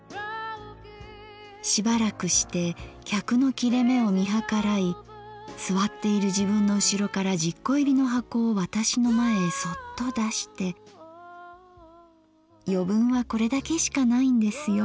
しばらくして客の切れ目を見はからい座っている自分のうしろから十個入りの箱を私の前へそっと出して『余分はこれだけしかないんですよ